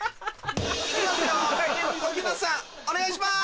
お願いします。